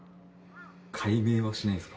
改名はしないんですか？